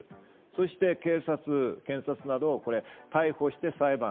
そして警察、検察など逮捕して裁判。